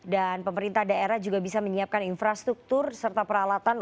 dan pemerintah daerah juga bisa menyiapkan infrastruktur serta peralatan